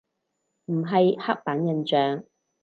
唔係刻板印象